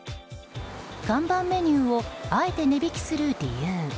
看板メニューをあえて値引きする理由。